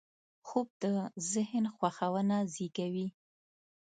خوب د ذهن خوښونه زېږوي